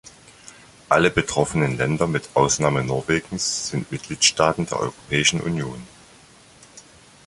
Alle betroffenen Länder mit Ausnahme Norwegens sind Mitgliedstaaten der Europäischen Union.